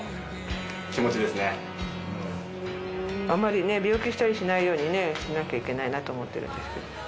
あんまりね病気したりしないようにねしなきゃいけないなと思ってるんですけど。